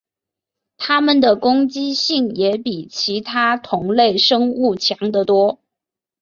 它们的攻击性也比其他同类生物强得多。